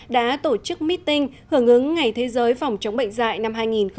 đã tổ chức meeting hưởng ứng ngày thế giới phòng chống bệnh dạy năm hai nghìn một mươi chín